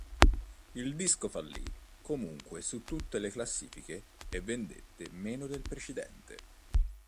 Il disco fallì comunque su tutte le classifiche e vendette meno del precedente.